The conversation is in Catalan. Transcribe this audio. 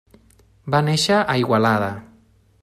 Va néixer a Igualada.